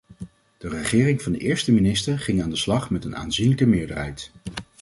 De regering van de eerste minister ging aan de slag met een aanzienlijke meerderheid.